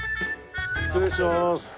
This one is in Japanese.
失礼します。